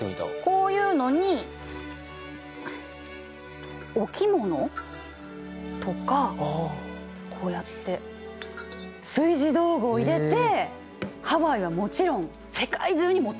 こういうのにお着物とかこうやって炊事道具を入れてハワイはもちろん世界中に持っていったの。